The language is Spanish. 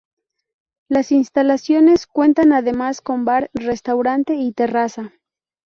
Las instalaciones cuentan además con bar, restaurante y terraza.